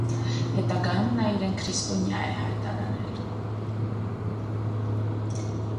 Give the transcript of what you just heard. Հետագայում նա իրեն քրիստոնյա է հայտարարել։